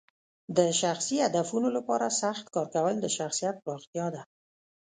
د شخصي هدفونو لپاره سخت کار کول د شخصیت پراختیا ده.